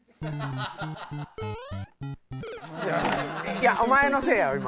いやお前のせいやろ今。